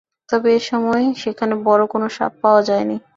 তবে এ সময় সেখানে বড় কোনো সাপ পাওয়া যায়নি।